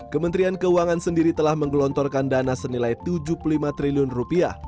kementerian keuangan sendiri telah menggelontorkan dana senilai tujuh puluh lima triliun rupiah